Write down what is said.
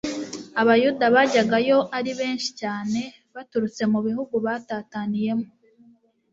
Abayuda bajyaga yo ari benshi cyane, baturutse mu bihugu batataniyemo.